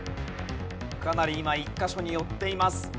かなり今１カ所に寄っています。